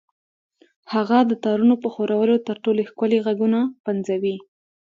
هغه د تارونو په ښورولو تر ټولو ښکلي غږونه پنځوي